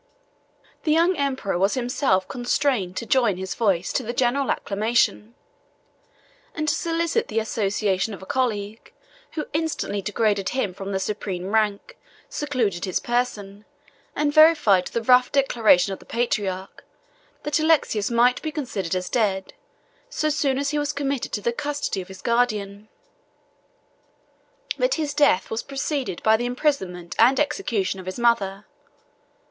The young emperor was himself constrained to join his voice to the general acclamation, and to solicit the association of a colleague, who instantly degraded him from the supreme rank, secluded his person, and verified the rash declaration of the patriarch, that Alexius might be considered as dead, so soon as he was committed to the custody of his guardian. But his death was preceded by the imprisonment and execution of his mother.